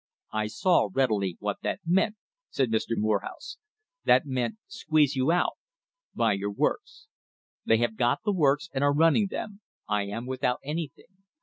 "I saw readily what that meant," said Mr. Morehouse, "that meant squeeze you out — buy your works. They have got the works and are running them; I am without anything.